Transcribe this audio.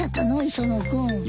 磯野君。